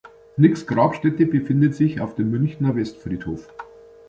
Nicks Grabstätte befindet sich auf dem Münchner Westfriedhof.